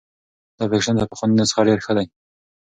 دا اپلیکیشن تر پخواني نسخه ډېر ښه دی.